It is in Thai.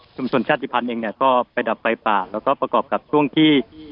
ชนชาติภัณฑ์เองเนี่ยก็ไปดับไฟป่าแล้วก็ประกอบกับช่วงที่